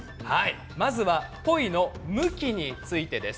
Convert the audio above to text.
まずはポイの向きについてです。